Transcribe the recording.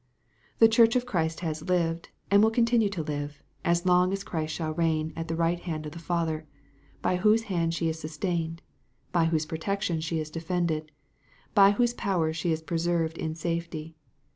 The Church of Christ has lived, and will continue to live, as long as Christ shall reign at the right hand of the Father, by whose hand she is sustained, by whose protection she is defended, by whose power she is preserved in safety.